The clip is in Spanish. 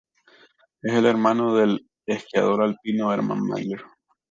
Es hermano del esquiador alpino Hermann Maier.